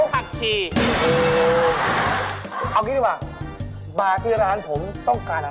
เป็นคนใส่ขาดยังไงวะ